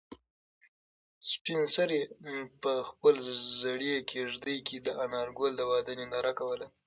سپین سرې په خپلې زړې کيږدۍ کې د انارګل د واده ننداره کوله.